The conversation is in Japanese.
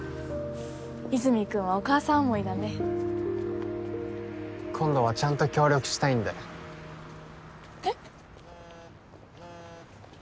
和泉君はお母さん思いだね今度はちゃんと協力したいんでえっ？